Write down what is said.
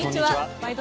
「ワイド！